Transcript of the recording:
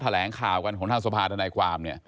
แหลงข่าวกันของทางสภาธนายความ